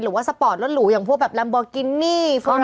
หรือว่าสปอร์ตรถหลูอย่างพวกแบบลัมบอร์กินนี่ฟอร์โรลี